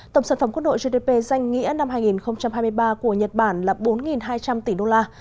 tổng sản phẩm quốc nội gdp danh nghĩa năm hai nghìn hai mươi ba của nhật bản là bốn hai trăm linh tỷ đô la